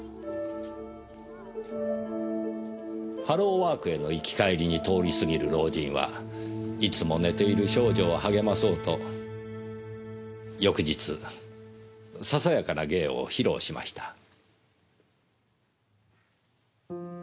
ハローワークへの行き帰りに通り過ぎる老人はいつも寝ている少女を励まそうと翌日ささやかな芸を披露しました。